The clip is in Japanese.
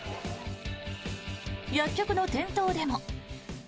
薬局の店頭でも。